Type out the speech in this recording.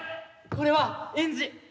これはエンジ！